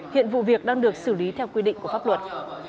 hiện vụ việc đang được xử lý theo quy định của pháp luật